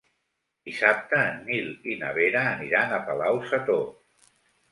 Dissabte en Nil i na Vera aniran a Palau-sator.